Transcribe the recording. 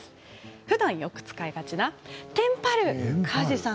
ふだん、よく使いがちなテンパる梶さん